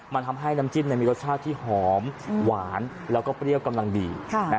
มันทำให้น้ำจิ้มมีรสชาติที่หอมหวานแล้วก็เปรี้ยวกำลังดี